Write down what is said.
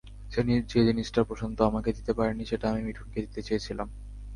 যে জিনিসটা প্রশান্ত আমাকে দিতে পারেনি, সেটা আমি মিঠুনকে দিতে চেয়েছিলাম।